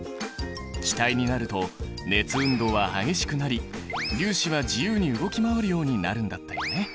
気体になると熱運動は激しくなり粒子は自由に動き回るようになるんだったよね？